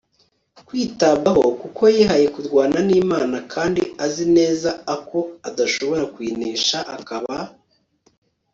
kwitabwaho kuko yihaye kurwana n'imana kandi azi neza ako adashobora kuyinesha ; akaba